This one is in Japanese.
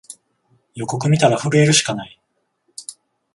予告みたら震えるしかない